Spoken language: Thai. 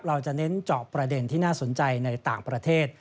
เราจะเน้นเจาะประเด็นที่น่าสนใจในต่างประเทศ